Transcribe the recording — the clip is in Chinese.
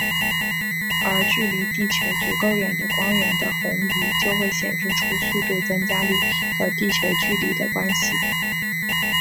而距离地球足够远的光源的红移就会显示出速度增加率和地球距离的关系。